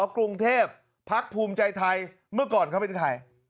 กรุงเทพภักดิ์ภูมิใจไทยเมื่อก่อนเขาเป็นใคร